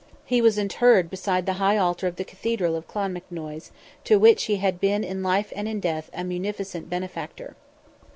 He was interred beside the high altar of the Cathedral of Clonmacnoise, to which he had been in life and in death a munificent benefactor.